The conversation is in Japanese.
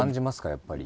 やっぱり。